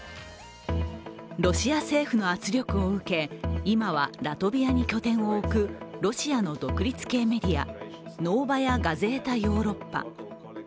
ロシア政府の圧力を受け、今はラトビアに拠点を置くロシアの独立系メディア、ノーバヤ・ガゼータ・ヨーロッパ。